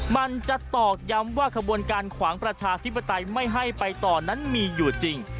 มันจะตอกย้ำว่าขบวนการขวางประชาธิปไตยไม่ให้ไปต่อนั้นมีอยู่จริง